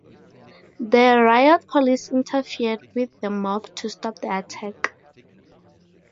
The riot police interfered with the mob to stop the attack.